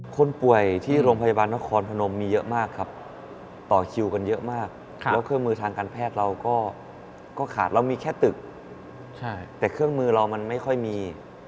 คนป่วยที่โรงพยาบาลนครพนมมีเยอะมากครับต่อคิวกันเยอะมากแล้วเครื่องมือทางการแพทย์เราก็ขาดเรามีแค่ตึกแต่เครื่องมือเรามันไม่ค่อยมี